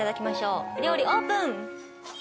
お料理オープン！